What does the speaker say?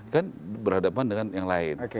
kan berhadapan dengan yang lain